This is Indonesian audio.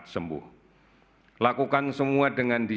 jangan orang juga untuk ragu ada seucap denganku